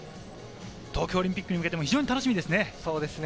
東京オリンピックに向けても非常に楽しみですね。